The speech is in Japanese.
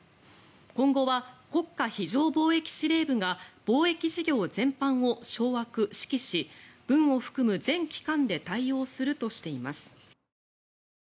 今後は国家非常防疫司令部が防疫事業全般を掌握・指揮し軍を含む全機関で対応するとしています。